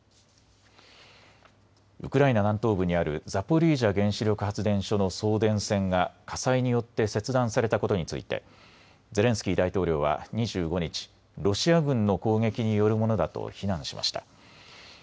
ウクライナ南東部にあるザポリージャ原子力発電所の送電線が火災によって切断されたことについてゼレンスキー大統領は２５日、ロシア軍の攻撃によるものだと非難しました。